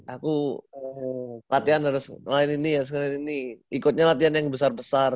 aku latihan harus ngelain ini harus ngelain ini ikutnya latihan yang besar besar